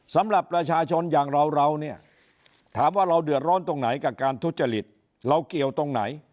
สำหรับประชาชนอย่างเราเราเนี่ยถามว่าเราเดือดร้อนตรงไหนกับการทุจริตเราเกี่ยวตรงไหน